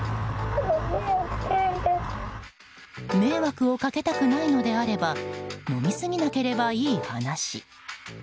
迷惑をかけたくないのであれば飲み過ぎなければいい話。